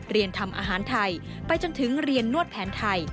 เรียนทำอาหารไทยไปจนถึงเรียนนวดแผนไทย